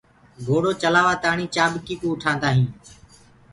گھوڙو چلآوآ تآڻي چآڀڪي ڪو اُٺآندآ هينٚ